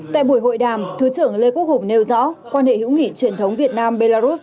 tại buổi hội đàm thứ trưởng lê quốc hùng nêu rõ quan hệ hữu nghị truyền thống việt nam belarus